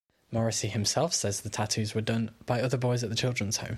Morrissey himself says the tattoos were done by other boys at the children's home.